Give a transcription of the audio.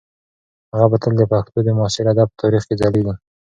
هغه به تل د پښتو د معاصر ادب په تاریخ کې ځلیږي.